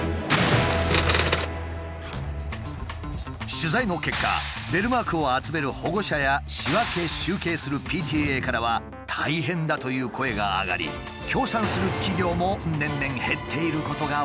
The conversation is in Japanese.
取材の結果ベルマークを集める保護者や仕分け・集計するＰＴＡからは大変だという声が上がり協賛する企業も年々減っていることが分かった。